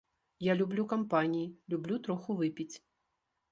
Я люблю кампаніі, люблю троху выпіць.